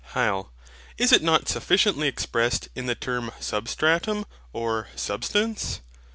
HYL. Is it not sufficiently expressed in the term SUBSTRATUM, or SUBSTANCE?